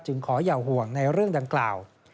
ขออย่าห่วงในเรื่องดังกล่าว